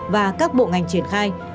và các bộ ngành triển khai